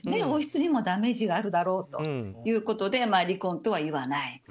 王室にもダメージがあるだろうということで離婚とは言わない。